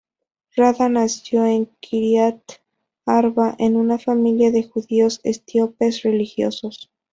Rada nació en Kiryat Arba, en una familia de judíos etíopes religiosos.